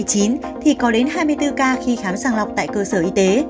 thì có đến hai mươi bốn ca khi khám sàng lọc tại cơ sở y tế